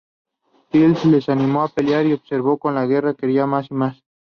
Tyr les animó a pelear y observó cómo la guerra crecía más y más.